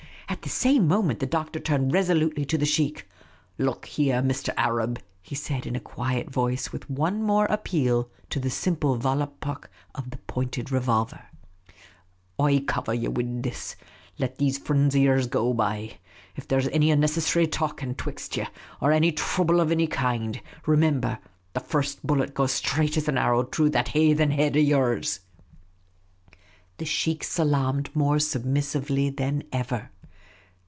At the same moment the Doctor turned resolutely to the sheikh. " Look here, Mr. Arab," he said in a quiet voice, with one more appeal to the simple Volapuk of the pointed revolver ; "I cover ye wid this. lyCt these frinds of yours go by. If there 's anny unneces sary talking betwixt ye, or anny throuble of anny kind, re number, the first bullet goes sthraight as an arrow t' rough that hay then head of yours !" The sheikh salaamed more submissively than ever.